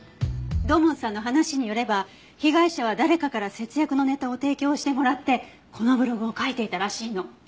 土門さんの話によれば被害者は誰かから節約のネタを提供してもらってこのブログを書いていたらしいの。